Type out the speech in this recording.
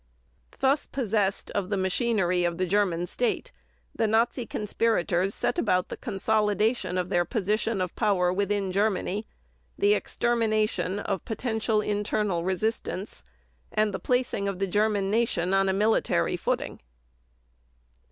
_ Thus possessed of the machinery of the German State, the Nazi conspirators set about the consolidation of their position of power within Germany, the extermination of potential internal resistance, and the placing of the German Nation on a military footing.